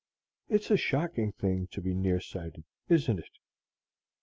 "It's a shocking thing to be near sighted, isn't it?"